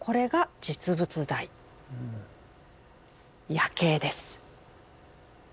「夜警」です。